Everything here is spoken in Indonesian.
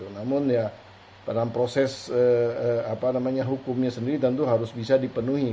namun ya dalam proses hukumnya sendiri tentu harus bisa dipenuhi